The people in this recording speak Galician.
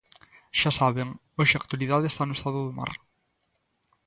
Xa saben, hoxe a actualidade está no estado do mar.